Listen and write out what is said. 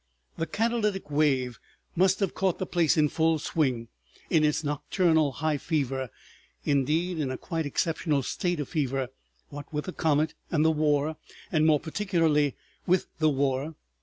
The catalytic wave must have caught the place in full swing, in its nocturnal high fever, indeed in a quite exceptional state of fever, what with the comet and the war, and more particularly with the war.